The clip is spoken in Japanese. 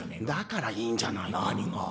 だからいいんじゃないの。